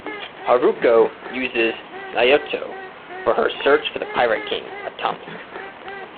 Haruko uses Naota for her search for the Pirate King, Atomsk.